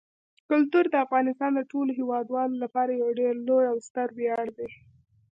کلتور د افغانستان د ټولو هیوادوالو لپاره یو ډېر لوی او ستر ویاړ دی.